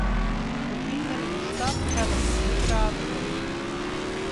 In hynder yn 'e stap hellet in hurddraver wol yn.